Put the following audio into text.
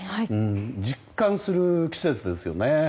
実感する季節ですよね。